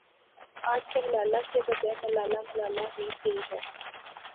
آجکل لالہ کے بجائے ملالہ ملالہ ہوئی پھری ہے ۔